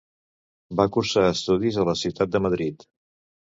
Va cursar estudis a la ciutat de Madrid.